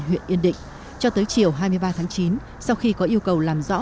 huyện yên định cho tới chiều hai mươi ba tháng chín sau khi có yêu cầu làm rõ